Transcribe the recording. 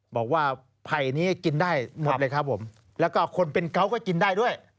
บอกว่าไผ่นี้กินได้หมดเลยครับผมแล้วก็คนเป็นเขาก็กินได้ด้วย